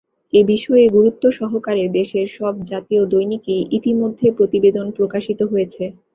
এ বিষয়ে গুরুত্বসহকারে দেশের সব জাতীয় দৈনিকে ইতিমধ্যে প্রতিবেদন প্রকাশিত হয়েছে।